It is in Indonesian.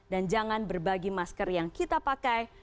dan jangan berbagi masker yang kita pakai